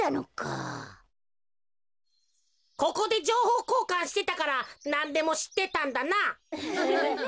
ここでじょうほうこうかんしてたからなんでもしってたんだな。